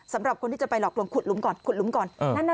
สำหรับคนที่จะไปหลอกลวงขุดหลุมก่อนขุดหลุมก่อน